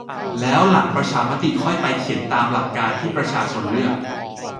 แล้วหลังประชามติค่อยไปเขียนตามหลักการที่ประชาชนเลือก